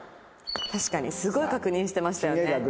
確かにすごい確認してましたよね。